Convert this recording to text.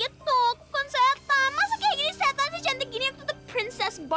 ini tuh dari paris